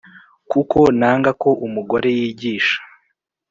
kuko nanga ko umugore yigisha